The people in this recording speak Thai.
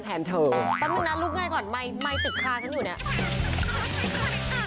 แป๊บเมื่อนั่นลูกไหนก่อนไมค์ติดคาไส้อยู่เนี่ย